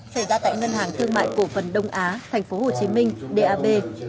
xảy ra tại ngân hàng thương mại cổ phần đông á tp hcm dap